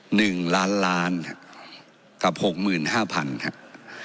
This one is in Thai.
หนึ่งล้านล้านกับหกหมื่นห้าพันครับ